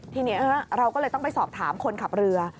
ทีนี้เราก็เลยต้องไปสอบถามคนขับเรือ